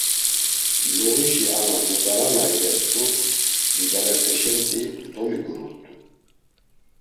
Luğişi ana mudara na iyert̆u didalepeşenti domigururt̆u.